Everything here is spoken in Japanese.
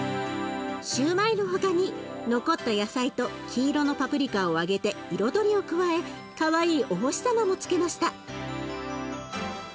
シューマイの他に残った野菜と黄色のパプリカを揚げて彩りを加えかわいいお星様もつけました。